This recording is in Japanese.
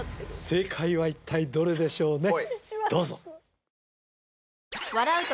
正解は一体どれでしょうね？